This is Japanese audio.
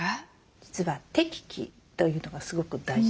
実は適期というのがすごく大事です。